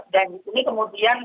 dan ini kemudian